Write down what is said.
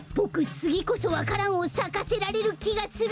つぎこそわか蘭をさかせられるきがする！